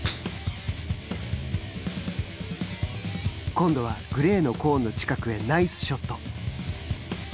今度はグレーのコーン近くへナイスショット。